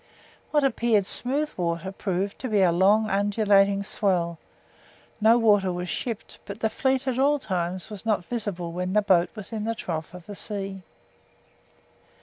What appeared smooth water proved to a long undulating swell; no water was shipped, but the fleet at times was not visible when the boat was in the trough of the sea.